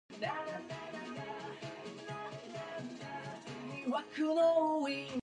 Jewish and Quaker ceremonies were exempt.